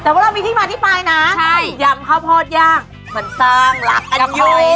แต่ว่าเรามีที่มาอธิบายนะยำข้าวโพดย่างมันสร้างหลักกันอยู่โอ้โฮ